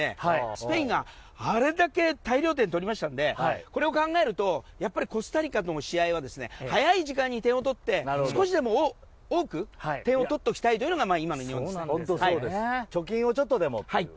スペインがあれだけ大量点を取ったことを考えるとコスタリカとの試合では早い時間に点を取って少しでも多く点を取っておきたいというのが今の日本です。